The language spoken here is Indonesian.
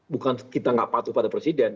bukan kita nggak patuh pada presiden